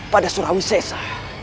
pada surawi sesa